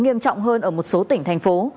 nghiêm trọng hơn ở một số tỉnh thành phố